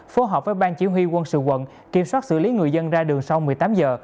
phối hợp với ban chỉ huy quân sự quận kiểm soát xử lý người dân ra đường sau một mươi tám giờ